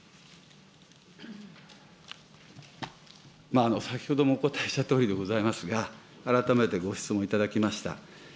まあ、先ほどもお答えしたとおりでございますが、改めてご質問頂きました。